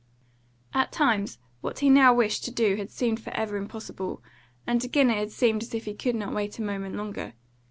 At times what he now wished to do had seemed for ever impossible, and again it had seemed as if he could not wait a moment longer.